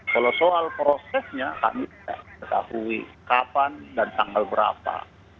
kalau soal prosesnya kami tidak ketahui kapan dan tanggal berapa